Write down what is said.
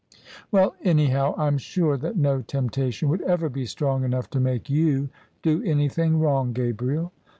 " Well, anyhow I'm sure that no temptation would ever be strong enough to make you do anything wrong, Gabriel."